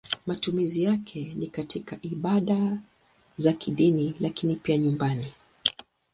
Matumizi yake ni katika ibada za kidini lakini pia nyumbani.